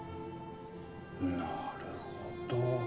なるほど。